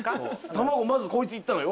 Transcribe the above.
卵まずこいついったのよ